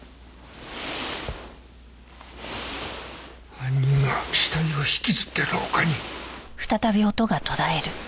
犯人が死体を引きずって廊下に。